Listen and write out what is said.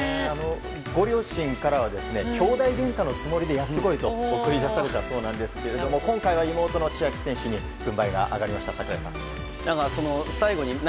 ご両親からは兄妹げんかのつもりでやってこいと送り出されたそうなんですが今回は妹の千秋選手に軍配が上がりました。